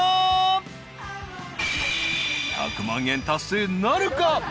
［１００万円達成なるか？